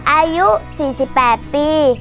อายุ๔๘ปี